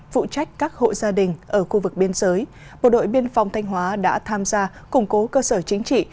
phụ trách các hộ gia đình ở khu vực biên giới bộ đội biên phòng thanh hóa đã tham gia củng cố cơ sở chính trị